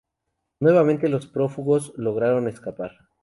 Nuevamente los prófugos lograron escapar.